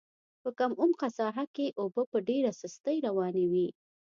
په کم عمقه ساحه کې اوبه په ډېره سستۍ روانې وې.